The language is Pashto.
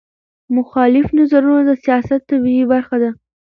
مخالف نظرونه د سیاست طبیعي برخه ده